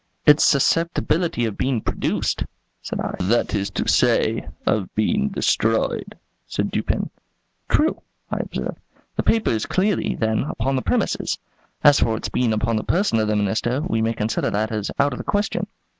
"Its susceptibility of being produced?" said I. "That is to say, of being destroyed," said Dupin. "True," I observed; "the paper is clearly, then, upon the premises. As for its being upon the person of the minister, we may consider that as out of the question."